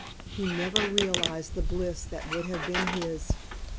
He never realized the bliss that would have been his.